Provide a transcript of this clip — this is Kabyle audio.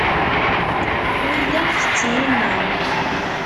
Mi llan tetten, inna.